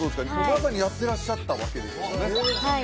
まさにやってらっしゃったわけですよねはい